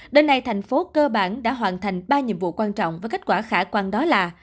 đời này thành phố cơ bản đã hoàn thành ba nhiệm vụ quan trọng và kết quả khả quan đó là